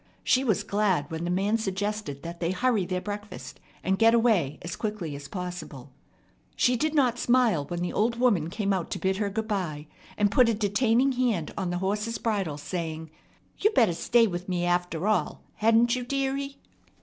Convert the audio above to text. She was glad when the man suggested that they hurry their breakfast and get away as quickly as possible. She did not smile when the old woman came out to bid her good by, and put a detaining hand on the horse's bridle, saying, "You better stay with me, after all, hadn't you, dearie?"